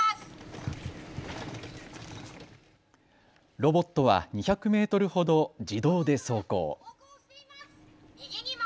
ロボットは２００メートルほど自動で走行。